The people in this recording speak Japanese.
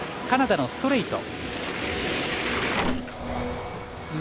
カナダのストレイト。